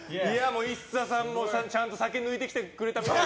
ＩＳＳＡさんもちゃんと酒抜いてきてくれて。